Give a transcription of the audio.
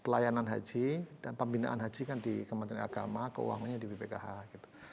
pelayanan haji dan pembinaan haji kan di kementerian agama keuangannya di bpkh gitu